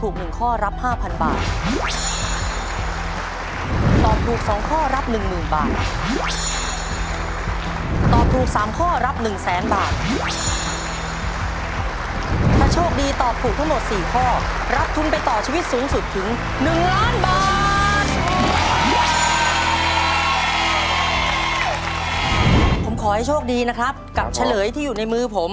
ผมขอให้โชคดีนะครับกับเฉลยที่อยู่ในมือผม